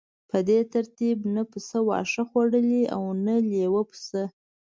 په دې ترتیب نه پسه واښه خوړلی او نه لیوه پسه.